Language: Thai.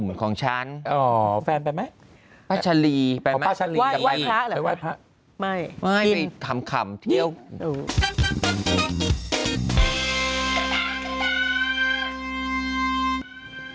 ไม่ไปทำคำเที่ยว